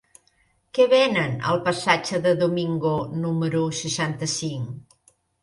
Què venen al passatge de Domingo número seixanta-cinc?